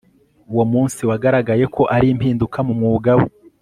Uwo munsi wagaragaye ko ari impinduka mu mwuga we